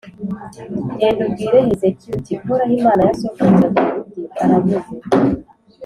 Genda ubwire Hezekiya uti «Uhoraho, Imana ya sokuruza Dawudi aravuze